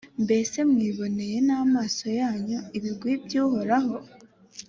mbese mwiboneye n’amaso yanyu ibigwi by’uhoraho!